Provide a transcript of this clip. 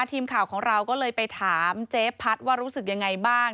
ทีมข่าวของเราก็เลยไปถามเจ๊พัดว่ารู้สึกยังไงบ้าง